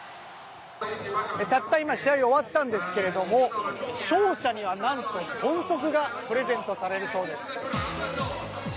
たった今試合終わったんですが勝者には、なんと豚足がプレゼントされるそうです。